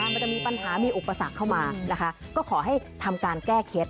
มันจะมีปัญหามีอุปสรรคเข้ามานะคะก็ขอให้ทำการแก้เคล็ด